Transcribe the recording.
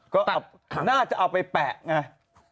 ก็น่าจะเอาไปแปะไง